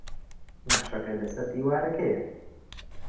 نەخشەکە لەسەر دیوارەکەیە.